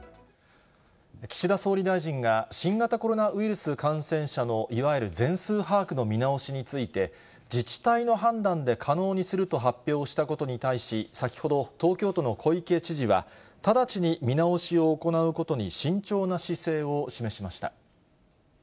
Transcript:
岸田総理大臣が、新型コロナウイルス感染者の、いわゆる全数把握の見直しについて、自治体の判断で可能にすると発表したことに対し、先ほど東京都の小池知事は、直ちに見直しを行うことに慎重な姿勢を示しました。